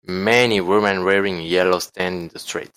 many woman wearing yellow stand in the street.